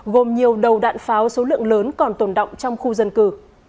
gồm nhiều đầu đạn pháo số lượng lớn còn tồn động trong khu dân cư